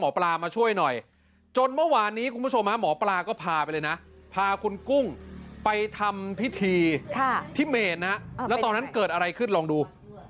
ผีที่เมจนะครับแล้วตอนนั้นเกิดอะไรขึ้นลองดู